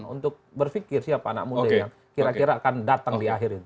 untuk berpikir siapa anak muda yang kira kira akan datang di akhir ini